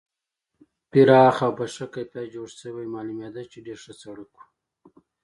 پراخ او په ښه کیفیت جوړ شوی معلومېده چې ډېر ښه سړک و.